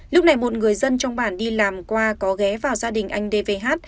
lúc này một người dân trong bản đi làm qua có ghé vào gia đình anh dvh